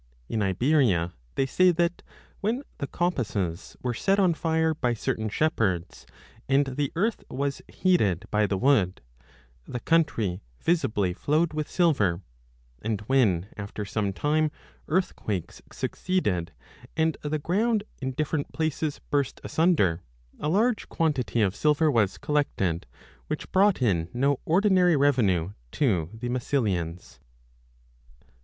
In Iberia they say that, when the coppices were set on 87 2 5 fire by certain shepherds, and the earth was heated by the wood, the country visibly flowed with silver ; and when, after some time, earthquakes succeeded, and the ground in different places burst asunder, a large quantity of silver was collected, which brought in no ordinary revenue to the Massilians.